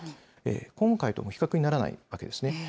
今回との比較にならないわけですね。